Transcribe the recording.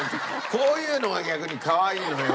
こういうのが逆にかわいいのよ。